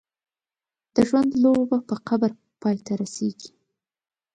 د ژوند لوبه په قبر پای ته رسېږي.